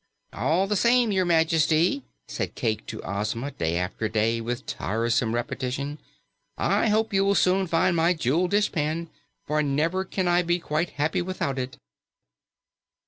"All the same, Your Majesty," said Cayke to Ozma, day after day with tiresome repetition, "I hope you will soon find my jeweled dishpan, for never can I be quite happy without it."